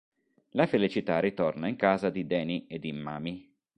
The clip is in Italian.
La felicità ritorna in casa di Danny e di Mamie.